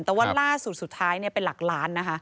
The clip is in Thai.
แต่ว่าล่าสุดสุดท้ายเป็นหลักล้านนะคะ